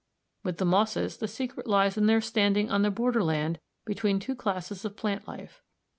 With the mosses the secret lies in their standing on the borderland between two classes of plant life.